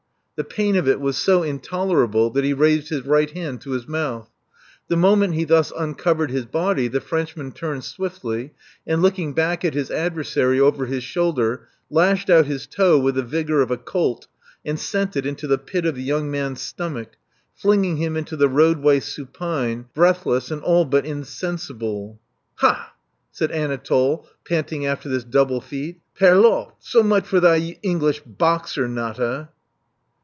The pain of it was so intolerable that he raised his right hand to his mouth. The moment he thus uncovered his body, the Frenchman turned swiftly, and, looking back at his adversary over his shoulder, lashed out his toe with the vigor of a colt, and sent it into the pit of the young man's stomach, flinging him into the roadway supine, breath less, and all but insensible. Ha! said Anatole, panting after this double feat. '' Prrrr'lotte! So much for thy English boxer, Nata."